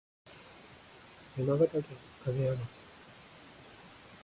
山形県金山町